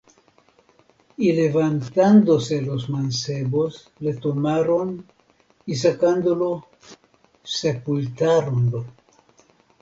Y levantándose los mancebos, le tomaron, y sacándolo, sepultáronlo.